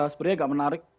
sebenarnya agak menarik